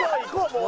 もう。